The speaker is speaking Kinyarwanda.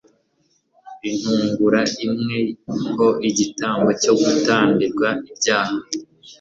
intungura imwe ho igitambo cyo gutambirwa ibyaha